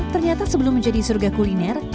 ternyata sebelum menjadi surga kuliner